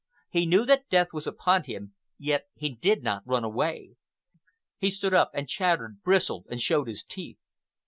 He knew that death was upon him, yet he did not run away. He stood up, and chattered, bristled, and showed his teeth.